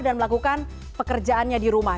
dan melakukan pekerjaannya di rumah